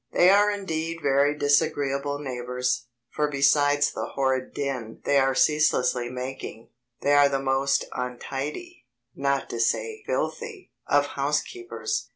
They are indeed very disagreeable neighbours; for besides the horrid din they are ceaselessly making, they are the most untidy, not to say filthy, of housekeepers.